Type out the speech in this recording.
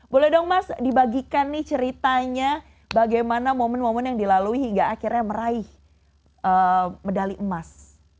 boleh dong mas dibagikan nih ceritanya bagaimana momen momen yang dilalui hingga akhirnya meraih medali emas